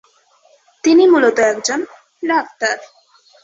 তিনি মূলত একজন ডাক্তার।